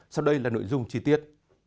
sau đây là nội dung chi tiết